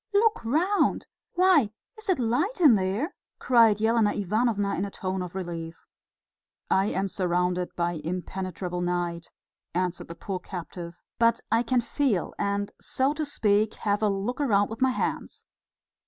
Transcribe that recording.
"Look round! Why, is it light in there?" cried Elena Ivanovna in a tone of relief. "I am surrounded by impenetrable night," answered the poor captive; "but I can feel and, so to speak, have a look round with my hands....